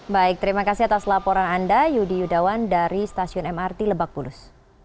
baik terima kasih atas laporan anda yudi yudawan dari stasiun mrt lebak bulus